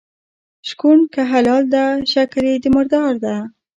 شکوڼ که حلال ده شکل یي د مردار ده.